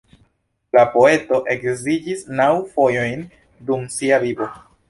La poeto edziĝis naŭ fojojn dum sia vivo.